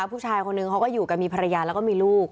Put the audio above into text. ผู้ชายคนนึงเขาก็อยู่กันมีภรรยาแล้วก็มีลูก